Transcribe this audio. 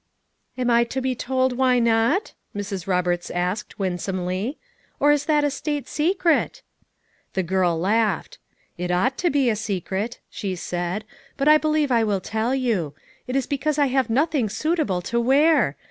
"Ani I to be told why not?" Mrs. Roberts asked winsomely, "or is that a state secret?" The girl laughed. "It ought to be a secret," she said, "but I believe I will tell you; it is because I have nothing suitable to wear.